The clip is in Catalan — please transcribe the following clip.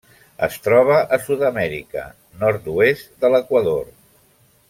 Es troba a Sud-amèrica: nord-oest de l'Equador.